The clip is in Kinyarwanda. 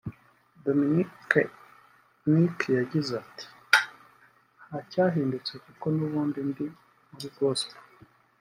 Dominic Nick yagize ati “ Nta cyahindutse kuko n’ubundi ndi muri gospel